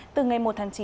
từ ngày một tháng chín